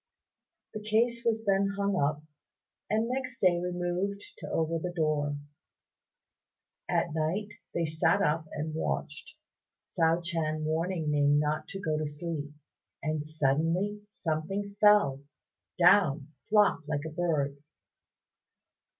The case was then hung up, and next day removed to over the door. At night they sat up and watched, Hsiao ch'ien warning Ning not to go to sleep; and suddenly something fell down flop like a bird.